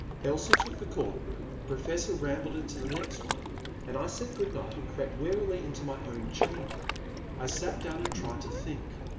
Elsie took the corner room, the Professor ram bled into the next one, and I said good night and crept wearily into my own chamber. I sat down and tried to think.